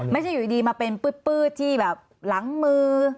ไม่ใช่อยู่ดีมาเป็นปื๊ดที่แบบหลังมือ